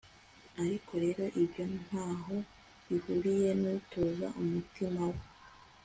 ariko rero ibyo nta ho bihuriye n'utoza umutima we